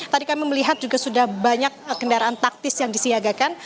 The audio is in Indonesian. tadi kami melihat juga sudah banyak kendaraan taktis yang disiagakan